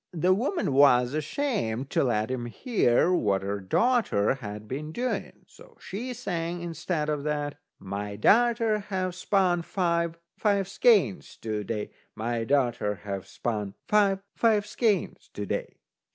The woman was ashamed to let him hear what her daughter had been doing, so she sang, instead of that: "My darter ha' spun five, five skeins to day. My darter ha' spun five, five skeins to day."